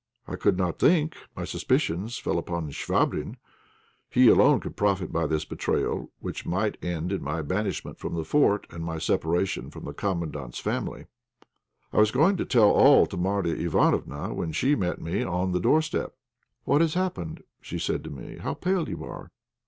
I could not think. My suspicions fell upon Chvabrine; he alone could profit by this betrayal, which might end in my banishment from the fort and my separation from the Commandant's family. I was going to tell all to Marya Ivánofna when she met me on the doorstep. "What has happened?" she said to me. "How pale you are!"